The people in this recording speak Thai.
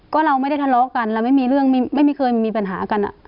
ก็เราไม่ได้ทะเลาะกันเราไม่มีเคยมีปัญหากัน